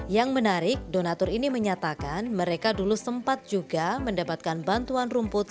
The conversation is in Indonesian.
yang menarik donatur ini menyatakan mereka dulu sempat juga mendapatkan bantuan rumput